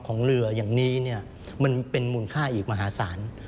ของเรืออย่างนี้เนี่ยมันเป็นมูลค่าอีกมหาศาล